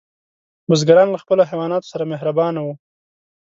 بزګران له خپلو حیواناتو سره مهربانه وو.